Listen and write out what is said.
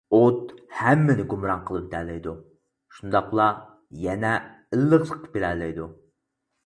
ئوت ھەممىنى گۇمران قىلىۋېتەلەيدۇ، شۇنداقلا يەنە ئىللىقلىق بېرەلەيدۇ.